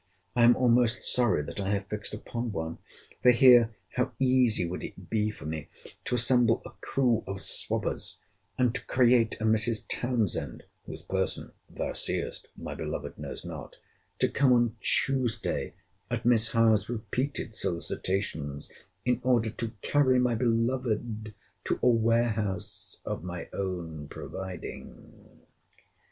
I am almost sorry, that I have fixed upon one.—For here, how easy would it be for me to assemble a crew of swabbers, and to create a Mrs. Townsend (whose person, thou seest, my beloved knows not) to come on Tuesday, at Miss Howe's repeated solicitations, in order to carry my beloved to a warehouse of my own providing?